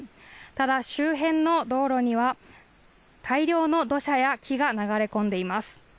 ただ周辺の道路には大量の土砂や木が流れ込んでいます。